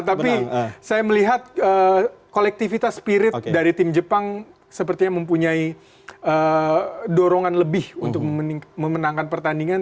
tapi saya melihat kolektivitas spirit dari tim jepang sepertinya mempunyai dorongan lebih untuk memenangkan pertandingan